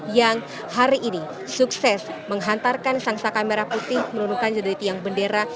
yang hari ini sukses menghantarkan sangsaka merah putih menurunkan jadwal tiang bendera